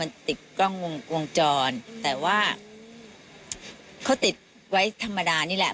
มันติดกล้องวงจรแต่ว่าเขาติดไว้ธรรมดานี่แหละ